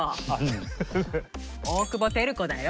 大久保テル子だよ。